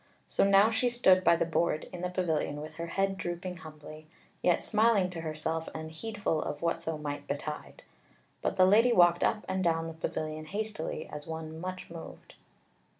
So now she stood by the board in the pavilion with her head drooping humbly, yet smiling to herself and heedful of whatso might betide. But the Lady walked up and down the pavilion hastily, as one much moved.